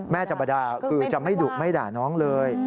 จะมาด่าคือจะไม่ดุไม่ด่าน้องเลย